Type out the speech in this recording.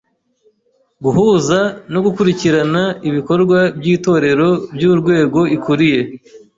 Guhuza no gukurikirana ibikorwa by’Itorero by’urwego ikuriye;